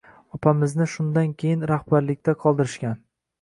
Opamizni shundan keyin rahbarlikda qoldirishgan.